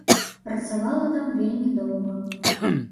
Працавала там вельмі доўга.